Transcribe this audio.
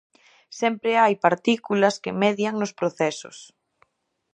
Sempre hai partículas que median nos procesos.